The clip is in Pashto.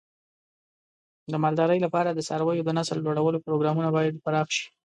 د مالدارۍ لپاره د څارویو د نسل لوړولو پروګرامونه باید پراخ شي.